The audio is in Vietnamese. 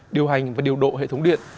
điều hành và điều độ hệ thống điện